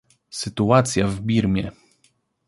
Sytuacja w Birmie